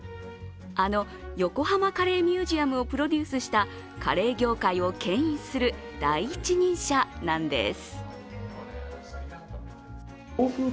あの横濱カレーミュージアムをプロデュースしたカレー業界をけん引する第一人者なんです。